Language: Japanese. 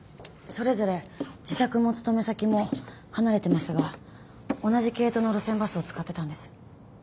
それぞれ自宅も勤め先も離れてますが同じ系統の路線バスを使ってたんです。